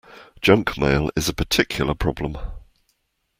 Junk mail is a particular problem